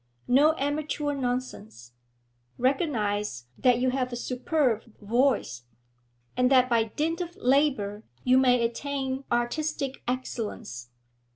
No amateur nonsense; recognise that you have a superb voice, and that by dint of labour you may attain artistic excellence.